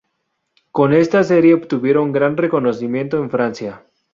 Con esta serie obtuvieron gran reconocimiento en Francia.